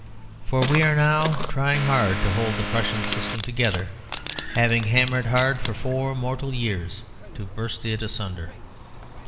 For we are now trying hard to hold the Prussian system together, having hammered hard for four mortal years to burst it asunder.